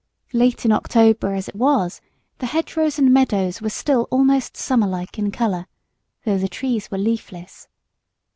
Late in October as it was, the hedgerows and meadows were still almost summer like in color, though the trees were leafless.